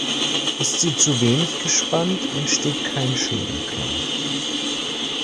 Ist sie zu wenig gespannt, entsteht kein schöner Klang.